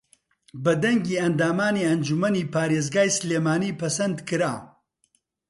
بە دەنگی ئەندامانی ئەنجوومەنی پارێزگای سلێمانی پەسەندکرا